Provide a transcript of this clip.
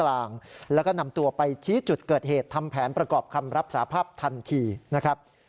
กลางแล้วก็นำตัวไปชี้จุดเกิดเหตุทำแผนประกอบคำรับสาภาพทันทีนะครับ